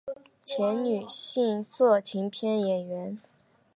前女性色情片演员。